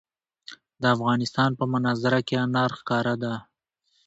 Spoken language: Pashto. د افغانستان په منظره کې انار ښکاره ده.